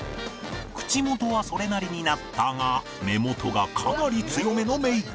口元はそれなりになったが目元がかなり強めのメイクに